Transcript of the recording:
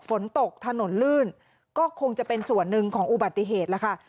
ฝนตกถนนลื่นก็คงจะเป็นส่วนหนึ่งของอุบัติเหตุแล้วค่ะ